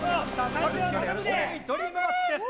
大食いドリームマッチです！